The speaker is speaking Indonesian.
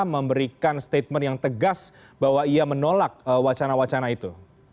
memberikan statement yang tegas bahwa ia menolak wacana wacana itu